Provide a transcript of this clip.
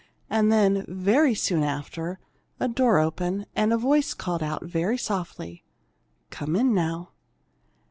And then, very soon after, a door opened, and a voice called out, very softly, 'Come in, now!'